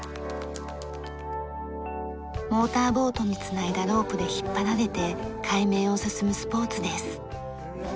モーターボートに繋いだロープで引っ張られて海面を進むスポーツです。